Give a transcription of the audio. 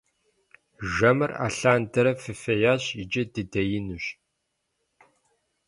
Жэмыр алъандэрэ фыфеящ, иджы дыдеинущ.